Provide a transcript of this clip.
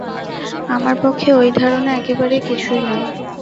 আমার পক্ষে ঐ ধারণা একেবারে কিছুই নয়।